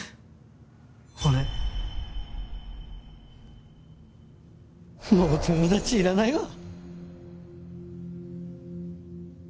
俺もう友達いらないわ。